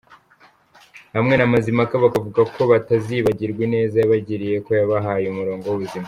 hamwe na Mazimpaka bakavuga ko batazibagirwa ineza yabagiriye ko yabahaye umurongo w’ubuzima.